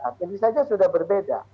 ini saja sudah berbeda